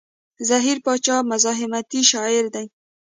زهير باچا مزاحمتي شاعر دی.